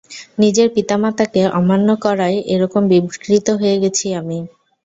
নিজের পিতামাতাকে অমান্য করায় এরকম বিকৃত হয়ে গেছি আমি।